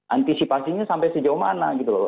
antisipasinya sampai sejauh mana gitu loh